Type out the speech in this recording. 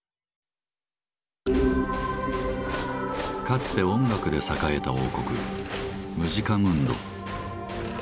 かつて音楽で栄えた王国「ムジカムンド」。